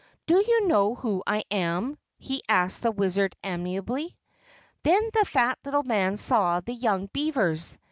"Do you know who I am?" he asked the Wizard amiably. Then the fat little man saw the young beavers.